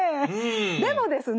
でもですね